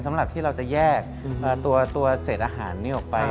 สำหรับที่เราจะแยกตัวเศษอาหารนี้ออกไป